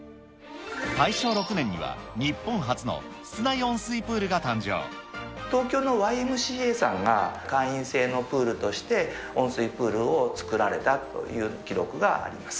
大正６年には、東京のＹＭＣＡさんが会員制のプールとして、温水プールを造られたという記録があります。